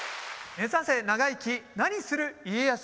「目指せ長生き何する家康」。